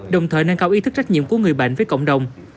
đồng thời nâng cao ý thức trách nhiệm của người bệnh với cộng đồng